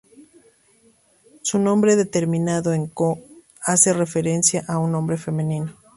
Su nombre, terminado en "ko" hace referencia a un nombre femenino.